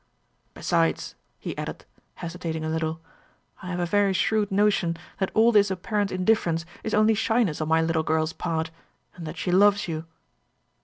Besides," he added, hesitating a little, "I have a very shrewd notion that all this apparent indifference is only shyness on my little girl's part, and that she loves you."